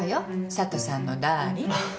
佐都さんのダーリン。